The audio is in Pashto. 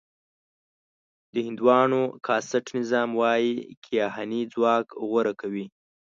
د هندوانو کاسټ نظام وايي کیهاني ځواک غوره کوي.